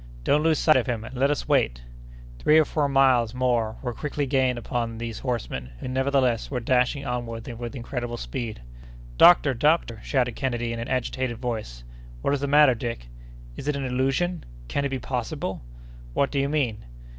"Don't lose sight of him, and let us wait!" Three or four miles more were quickly gained upon these horsemen, who nevertheless were dashing onward with incredible speed. "Doctor! doctor!" shouted Kennedy in an agitated voice. "What is the matter, Dick?" "Is it an illusion? Can it be possible?" "What do you mean?"